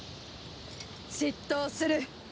執刀する。